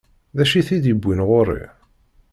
D acu i t-id-iwwin ɣur-i?